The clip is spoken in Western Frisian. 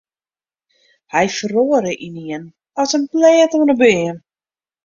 Hy feroare ynienen as in blêd oan 'e beam.